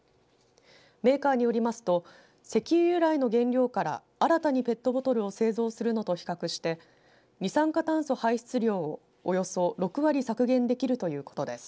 メーカーによりますと石油由来の原料から新たにペットボトルを製造するのと比較して二酸化炭素排出量をおよそ６割削減できるということです。